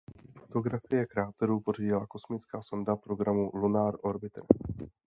Fotografie kráteru pořídila kosmická sonda programu Lunar Orbiter.